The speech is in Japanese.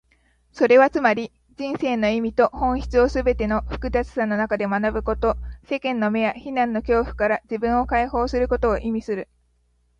それはつまり、人生の意味と本質をすべての複雑さの中で学ぶこと、世間の目や非難の恐怖から自分を解放することを意味する。